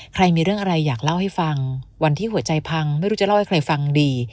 ใครมีเรื่องอะไรอยากเล่าให้ฟังวันที่หัวใจพังไม่รู้จะเล่าให้ใครฟังดี